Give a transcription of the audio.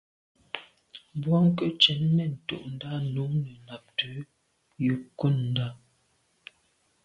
Bwɔ́ŋkə́’ cɛ̌d nɛ̂n tûʼndá á nǔm nə̀ nàptə̌ jùp kghûndá.